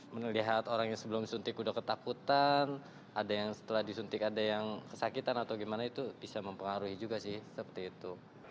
melihat orang yang sebelum disuntik sudah ketakutan ada yang setelah disuntik ada yang kesakitan atau gimana itu bisa mempengaruhi juga sih seperti itu